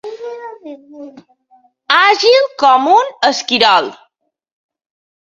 Àgil com un esquirol.